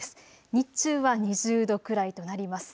日中は２０度くらいとなります。